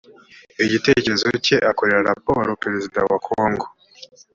igitekerezo cye akorera raporo perezida wa kongo